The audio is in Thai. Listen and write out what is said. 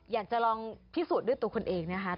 อยากจะลองพิสูจน์ด้วยตัวคุณเองนะคะ